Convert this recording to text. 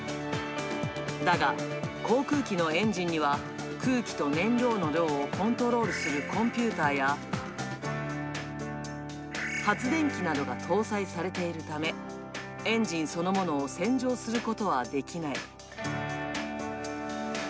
だが航空機のエンジンには、空気と燃料の量をコントロールするコンピューターや、発電機などが搭載されているため、エンジンそのものを洗浄することはできない。